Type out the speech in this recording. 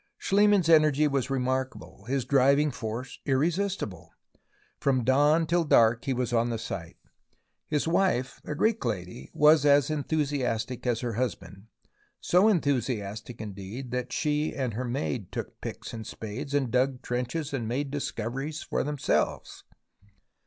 Schliemann's energy was remarkable, his driving force irresistible. From dawn till dark he was on the site. His wife, a Greek lady, was as enthusiastic as her husband, so enthusiastic, indeed, that she and her maid took picks and spades and dug trenches and made discoveries for themselves.